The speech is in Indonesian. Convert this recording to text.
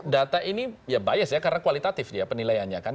data ini ya bias ya karena kualitatif dia penilaiannya kan